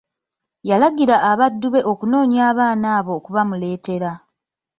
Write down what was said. Yalagira abaddu be okunonya abaana abo okubamuleetera.